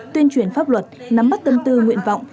tuyên truyền pháp luật nắm bắt tâm tư nguyện vọng